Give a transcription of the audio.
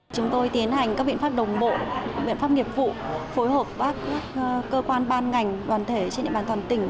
chúng tôi tiến hành các biện pháp đồng bộ biện pháp nghiệp vụ phối hợp với các cơ quan ban ngành đoàn thể trên địa bàn toàn tỉnh